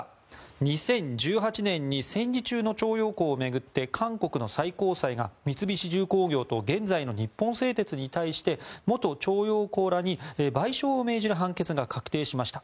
２０１８年に戦時中の徴用工を巡って韓国の最高裁が三菱重工業と現在の日本製鉄に対して元徴用工らに賠償を命じる判決が確定しました。